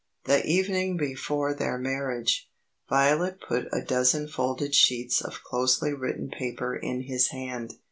The evening before their marriage, Violet put a dozen folded sheets of closely written paper in his hand.